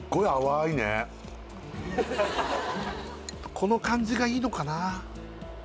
この感じがいいのかな